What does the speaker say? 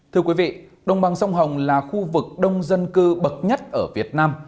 thưa quý vị đồng bằng sông hồng là khu vực đông dân cư bậc nhất ở việt nam